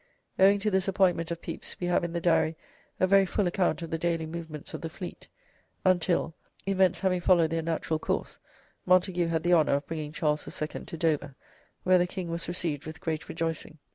Owing to this appointment of Pepys we have in the Diary a very full account of the daily movements of the fleet until, events having followed their natural course, Montage had the honour of bringing Charles II. to Dover, where the King was received with great rejoicing.